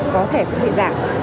có thể cũng bị giảm